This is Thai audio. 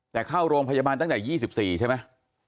แต่เข้าโรงพยาบาลตั้งแต่๒๔ใช่ไหม